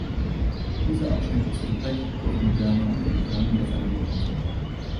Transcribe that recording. Dieser Abschnitt ist geprägt durch moderne und ältere Mehrfamilienhäuser.